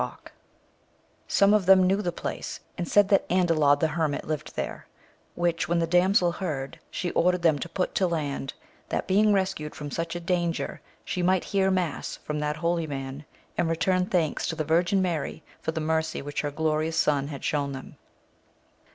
Eock ; some of them knew the place, and said that Andalod the hermit lived there, which, when the damsel heard, she ordered them to put to land, that being rescued from such a danger, she might hear mass from that holy man, and return thanks to the Virgin Mary for the mercy which her glorious Son had shown them.